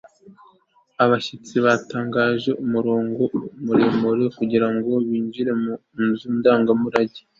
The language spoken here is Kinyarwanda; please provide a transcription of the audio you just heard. abashyitsi bategereje umurongo muremure kugirango binjire mu nzu ndangamurage